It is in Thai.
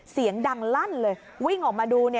เสียงดังลั่นเลยวิ่งออกมาดู